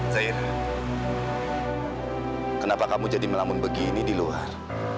zair kenapa kamu jadi melamun begini di luar